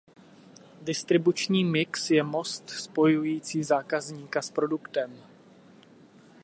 Distribuční mix je most spojující zákazníka s produktem.